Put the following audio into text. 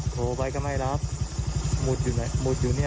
หลุมไหนละเนี่ย